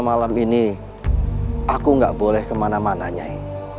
malam ini aku nggak boleh kemana mana nyai